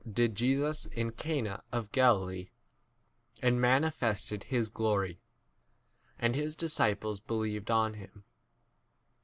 did Jesus in Cana of Galilee, and manifested his glory ; and his dis 12 ciples believed on him.